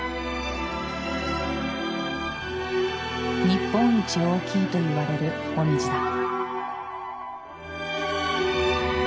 日本一大きいといわれるモミジだ。